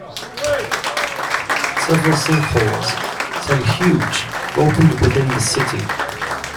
Several sinkholes, some huge, have opened within the city.